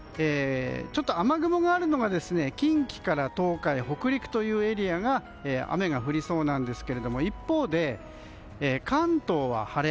ちょっと雨雲があるのが近畿から東海北陸というエリアが雨が降りそうなんですが一方で関東は晴れ。